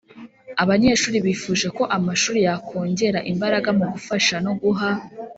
Abanyeshuri bifuje ko amashuri yakongera imbaraga mu gufasha no guha